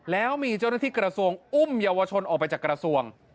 แล้วมีเจ้าหน้าที่กระทรวงอุ้มเยาวชนออกไปจากกระทรวง